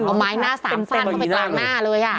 เอาไม้หน้าสามฟาดเข้าไปกลางหน้าเลย